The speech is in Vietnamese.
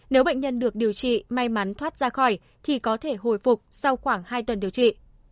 nếu bệnh nhân được điều trị may mắn thoát ra khỏi thì có thể hồi phục sau khoảng hai tuần điều trị